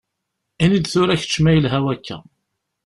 Ini-d tura kečč ma yelha wakka.